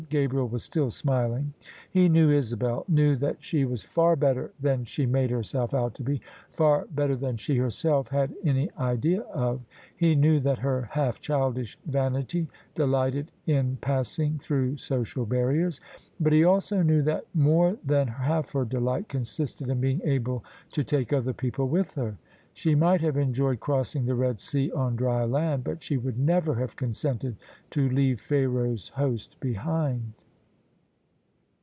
Gabriel was still smiling. He knew Isabel: knew that she was far better than she made herself out to be — far better than she herself had any idea of. He knew that her half childish vanity delighted in pass ing through social barriers : but he also knew that more than half her delight consisted in being able to take other people with her. She might have enjoyed crossing the Red Sea on dry land; but she would never have consented to leave Pharaoh's host behind.